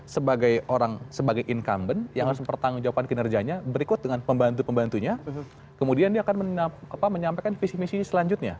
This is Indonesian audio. sebagai orang sebagai incumbent yang harus mempertanggungjawabkan kinerjanya berikut dengan pembantu pembantunya kemudian dia akan menyampaikan visi misi selanjutnya